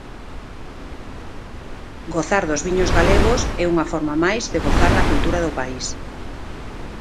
Gozar dos viños galegos é unha forma máis de gozar da cultura do país.